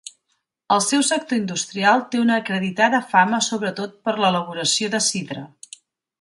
El seu sector industrial té una acreditada fama sobretot per l'elaboració de sidra.